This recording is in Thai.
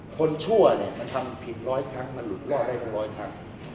คนชั่วเนี่ยมันทำผิดร้อยครั้งมันหลุดเรื่องอะไรร้อยครั้ง